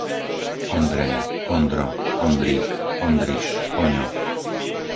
Ondrej, Ondro, Ondrík, Ondriš, Oňo